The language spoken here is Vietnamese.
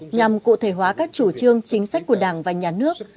nhằm cụ thể hóa các chủ trương chính sách của đảng và nhà nước